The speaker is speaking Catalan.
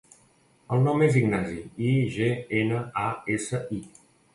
El nom és Ignasi: i, ge, ena, a, essa, i.